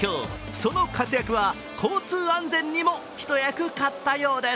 その活躍は、交通安全にも一役買ったようです。